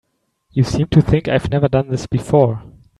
You seem to think I've never done this before.